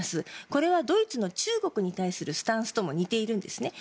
これはドイツの中国に対するスタンスとも似ているんですね。